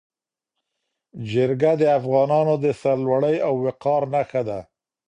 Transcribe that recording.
جرګه د افغانانو د سرلوړۍ او وقار نښه ده.